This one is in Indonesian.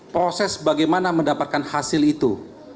proses bagaimana mendapatkan hasil itu